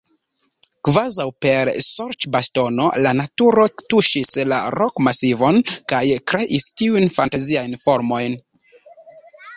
Kvazaŭ per sorĉbastono la naturo tuŝis la rokmasivon kaj kreis tiujn fantaziajn formojn.